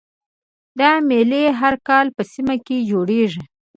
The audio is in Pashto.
دا میلې هر کال په سیمه کې جوړیږي